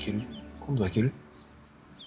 今度は行ける？